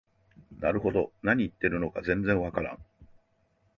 なるほど、何言ってるのか全然わからん